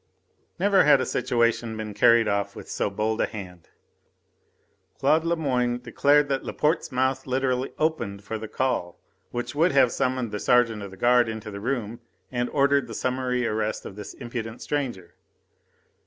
Never had a situation been carried off with so bold a hand. Claude Lemoine declared that Laporte's mouth literally opened for the call which would have summoned the sergeant of the guard into the room and ordered the summary arrest of this impudent stranger.